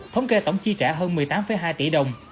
thống kê tổng chi trả hơn một mươi tám hai tỷ đồng